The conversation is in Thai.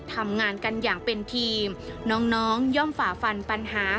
ทำงานกันอย่างเป็นทีมน้องย่อมฝ่าฟันปัญหา